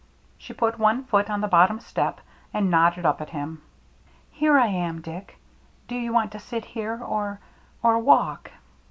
She put one foot on the bottom step, and nodded up at him. " Here I am, Dick. Do you want to sit here or — or walk